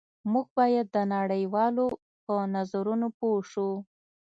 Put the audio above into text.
موږ باید د نړۍ والو په نظرونو پوه شو